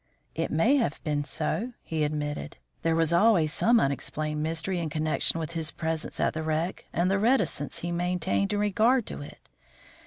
"It may have been so," he admitted. "There was always some unexplained mystery in connection with his presence at the wreck and the reticence he maintained in regard to it.